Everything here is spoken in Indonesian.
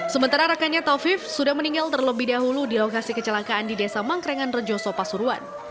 sementara rekannya taufif sudah meninggal terlebih dahulu di lokasi kecelakaan di desa mangkrengan rejoso pasuruan